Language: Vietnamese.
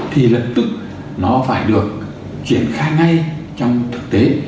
thì lập tức nó phải được triển khai ngay trong thực tế